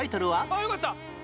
あっよかった！